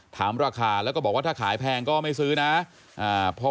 ถามราคาแล้วก็บอกว่าถ้าขายแพงก็ไม่ซื้อนะ